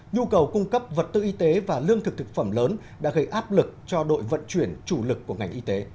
nhu cầu cung cấp vật tư y tế và lương thực thực phẩm lớn đã gây áp lực cho đội vận chuyển chủ lực của ngành y tế